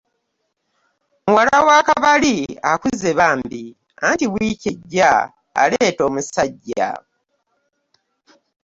Muwala wa Koboli akuze bambi anti wiiki ejja aleeta omusajja.